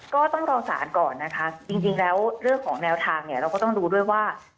ก็ต้องรอสารก่อนนะคะจริงแล้วเรื่องของแนวทางเนี่ยเราก็ต้องดูด้วยว่า